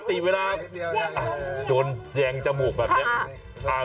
ปกติเวลาโดนแยงจมูกแบบนี้